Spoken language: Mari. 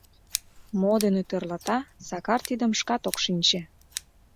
Мо дене тӧрлата, Сакар тидым шкат ок шинче.